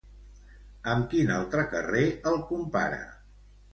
Amb quin altre carrer el compara?